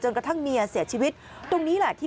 จนกระทั่งมีย่าเสียชวีตตรงนี้น่ะที่